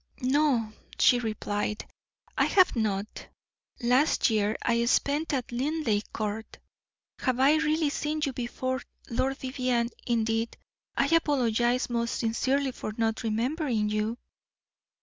"No," she replied, "I have not. Last year I spent at Linleigh Court. Have I really seen you before, Lord Vivianne? Indeed, I apologize most sincerely for not remembering you."